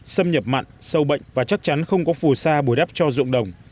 xâm nhập mặn sâu bệnh và chắc chắn không có phù sa bồi đắp cho ruộng đồng